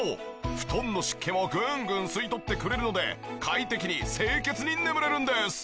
布団の湿気をぐんぐん吸い取ってくれるので快適に清潔に眠れるんです。